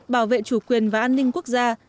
bảo vệ chủ quyền và an ninh quốc gia